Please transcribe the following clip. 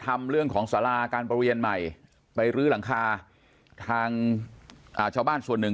ทำเรื่องของสาราการประเรียนใหม่ไปรื้อหลังคาทางอ่าชาวบ้านส่วนหนึ่ง